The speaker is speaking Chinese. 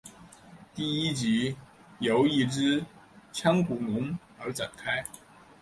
第一集由一只腔骨龙而展开。